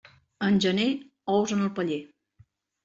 En gener, ous en el paller.